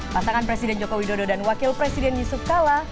pasangan presiden joko widodo dan wakil presiden yusuf kala